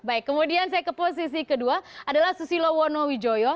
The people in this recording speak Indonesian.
baik kemudian saya ke posisi kedua adalah susilo wonowijoyo